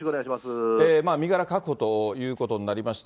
身柄確保ということになりました。